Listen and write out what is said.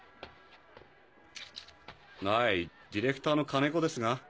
はいディレクターの金子ですが。